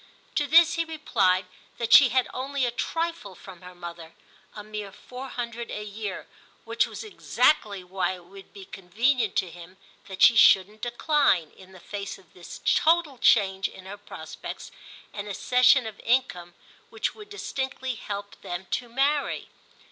To this he replied that she had only a trifle from her mother—a mere four hundred a year, which was exactly why it would be convenient to him that she shouldn't decline, in the face of this total change in her prospects, an accession of income which would distinctly help them to marry.